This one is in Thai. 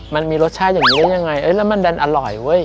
มันมีรสชาติอย่างนี้ได้ยังไงแล้วมันดันอร่อยเว้ย